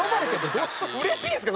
うれしいんですか？